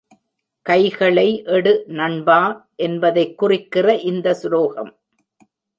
கைகளை எடு நண்பா! என்பதைக் குறிக்கிற இந்த சுலோகம்.